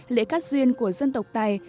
lễ cắt duyên của dân tộc tài